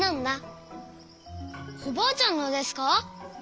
おばあちゃんのですか？